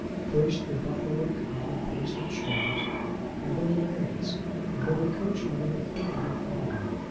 First the butler would come and place the chairs, and then the maids, and then the coachman and footman would follow.